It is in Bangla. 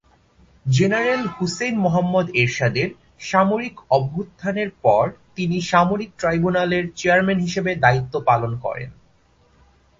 জেনারেল হুসেইন মুহাম্মদ এরশাদের সামরিক অভ্যুত্থানের পর তিনি সামরিক ট্রাইব্যুনালের চেয়ারম্যান হিসেবে দায়িত্ব পালন করেন।